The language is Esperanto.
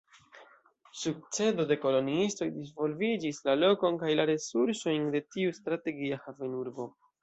Sukcedo de koloniistoj disvolvigis la lokon kaj la resursojn de tiu strategia havenurbo.